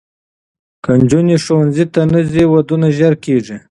که نجونې ښوونځي ته نه ځي، ودونه ژر کېږي.